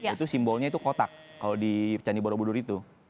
itu simbolnya itu kotak kalau di candi borobudur itu